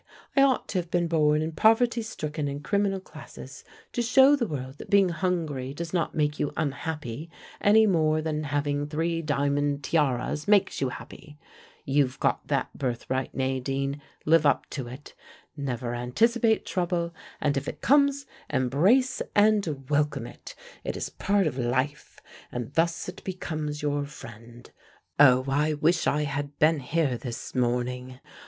"I ought to have been born in poverty stricken and criminal classes to show the world that being hungry does not make you unhappy any more than having three diamond tiaras makes you happy. You've got that birthright, Nadine, live up to it. Never anticipate trouble, and if it comes embrace and welcome it: it is part of life, and thus it becomes your friend. Oh, I wish I had been here this morning!